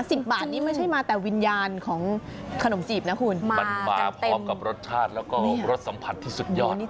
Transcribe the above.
สิบบาทนี่ไม่ใช่มาแต่วิญญาณของขนมจีบนะคุณมันมาพร้อมกับรสชาติแล้วก็รสสัมผัสที่สุดยอด